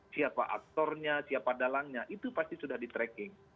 siapa aktornya siapa dalangnya itu pasti sudah di tracking